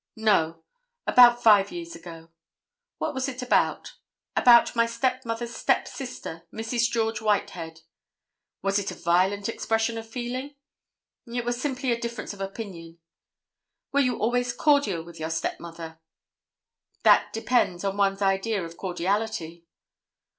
"No. About five years ago." "What was it about?" "About my stepmother's stepsister, Mrs. George Whitehead." "Was it a violent expression of feeling?" "It was simply a difference of opinion." "Were you always cordial with your stepmother?" "That depends upon one's idea of cordiality."